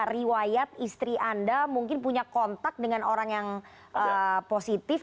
riwayat istri anda mungkin punya kontak dengan orang yang positif